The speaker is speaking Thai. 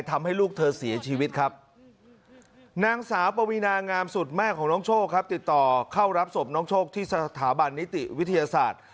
ทำให้ลูกเธอเสียชีวิตครับนางสาวปวีนางามสุดแม่ของน้องโชคครับติดต่อเข้ารับศพน้องโชคที่สถาบันนิติวิทยาศาสตร์